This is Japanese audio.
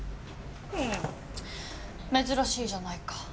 珍しいじゃないか